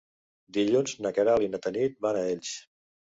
Dilluns na Queralt i na Tanit van a Elx.